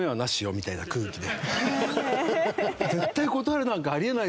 みたいな空気で。